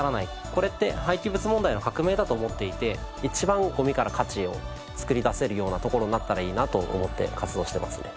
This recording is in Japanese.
これって廃棄物問題の革命だと思っていて一番ごみから価値を作り出せるようなところになったらいいなと思って活動してますね。